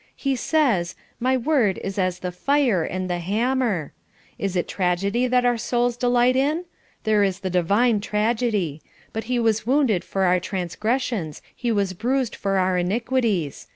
He says, 'My word is as the fire and the hammer.' Is it tragedy that our souls delight in? There is the divine tragedy: 'But He was wounded for our transgressions; he was bruised for our iniquities....